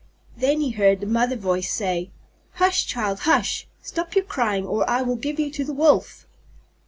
Then he heard the Mother's voice say: "Hush, child, hush! Stop your crying, or I will give you to the Wolf!"